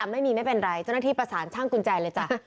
ไม่เป็นไรเจ้าหน้าที่ประสานช่างกุญแจเลยจ้ะ